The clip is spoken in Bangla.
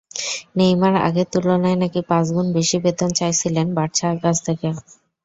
নেইমার আগের তুলনায় নাকি পাঁচগুণ বেশি বেতন চাইছিলেন বার্সার কাছ থেকে।